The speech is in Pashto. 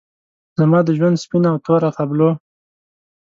زما د ژوند سپینه او توره تابلو